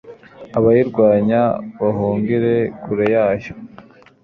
abayirwanya bahungire kure yayo